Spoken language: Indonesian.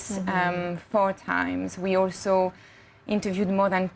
kami juga telah menemukan lebih dari dua ratus orang